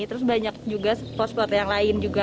terus banyak juga spot spot yang lain juga